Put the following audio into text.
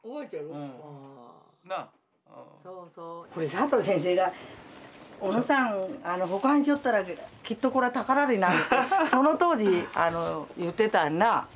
これ佐藤先生が小野さん保管しよったらきっとこれ宝になるってその当時言ってたんなあ。